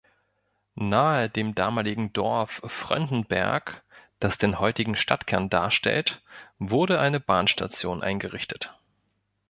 Nahe dem damaligen Dorf Fröndenberg, das den heutigen Stadtkern darstellt, wurde eine Bahnstation eingerichtet.